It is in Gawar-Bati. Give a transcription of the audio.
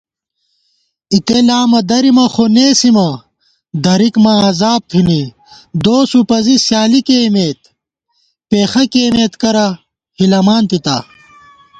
اِتےلامہ درِمہ خو نېسِمہ درِک ماں عذاب تھنی * دوس وُپَزی سیالی کېئیمېت پېخہ کېئیمت کرہ ہِلَمان تِتا